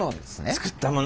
作ったもの。